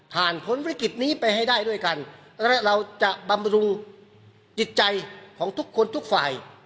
ผลวิกฤตนี้ไปให้ได้ด้วยกันและเราจะบำรุงจิตใจของทุกคนทุกฝ่าย